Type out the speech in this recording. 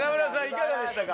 いかがでしたか？